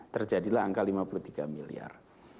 terjadilah angka lima puluh tiga miliar